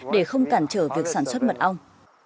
để không cản trở việc sản xuất mật ong